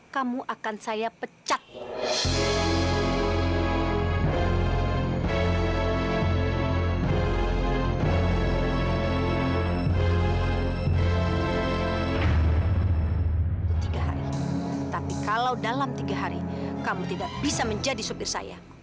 sampai jumpa di video selanjutnya